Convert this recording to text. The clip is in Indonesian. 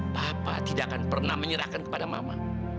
bapak tidak akan pernah menyerahkan kepada mama